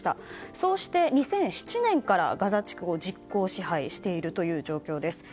そうして２００７年からガザ地区を実効支配しているという状況です。